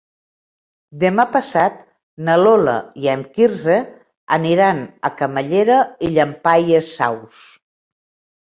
Demà passat na Lola i en Quirze aniran a Camallera i Llampaies Saus.